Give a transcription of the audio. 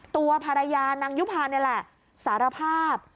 ตัวภรรยานางยุภานี่แหละสารภาพ